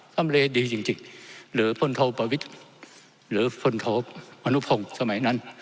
่ำเลดีจริงหรือพลโทประวิทย์หรือพลโทอนุพงศ์สมัยนั้น